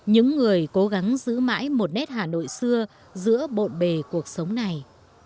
những người cố gắng giữ mãi một nét hà nội xưa giữa bộn bề cuộc sống này